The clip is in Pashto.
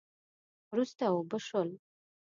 وروسته اوبه شول